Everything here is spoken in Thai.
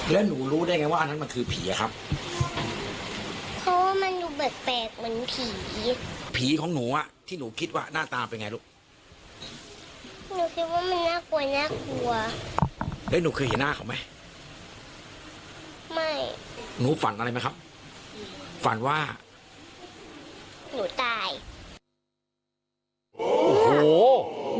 เฮ้ยหนูเคยเห็นหน้าของมั้ยไม่หนูฝันอะไรมั้ยครับฝันว่าหนูตาย